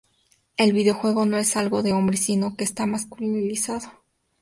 El videojuego no es algo de hombres, sino que esta masculinizado